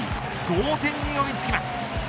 同点に追いつきます。